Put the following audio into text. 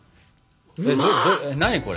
何これ？